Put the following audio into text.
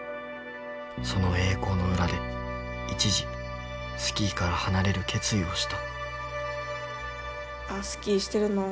その栄光の裏で一時スキーから離れる決意をした。